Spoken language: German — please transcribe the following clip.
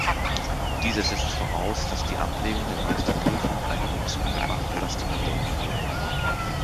Dieser setzt voraus, dass die Ablegung der Meisterprüfung eine unzumutbare Belastung bedeuten würde.